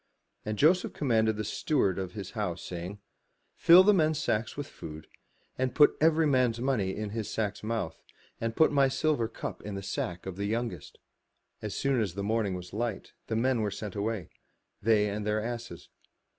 And Joseph commanded the steward of his house, saying, "Fill the men's sacks with food, and put every man's money in his sack's mouth, and put my silver cup in the sack of the youngest." As soon as the morning was light, the men were sent away, they and their asses.